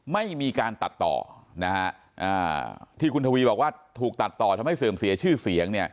ไม่มีการตัดต่อที่คุณทวีบอกว่าถูกตัดต่อทำให้เสื่อมเสียชื่อเสียง